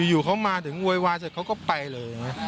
อยู่เขามาถึงโวยวายเสร็จเขาก็ไปเลย